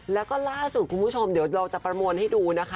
แล้วก็ล่าสุดคุณผู้ชมเดี๋ยวเราจะประมวลให้ดูนะคะ